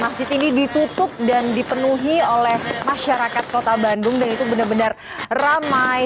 masjid ini ditutup dan dipenuhi oleh masyarakat kota bandung dan itu benar benar ramai